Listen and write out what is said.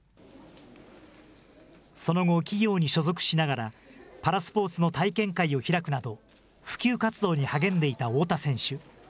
その後、企業に所属しながら、パラスポーツの体験会を開くなど、普及活動に励んでいた太田選手。